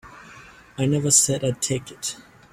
I never said I'd take it.